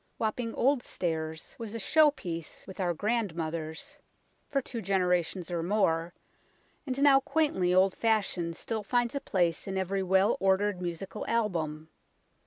" Wapping Old Stairs " was a show piece with our grandmothers for two generations or more, and now quaintly old fashioned, still finds a place in every well ordered musical album.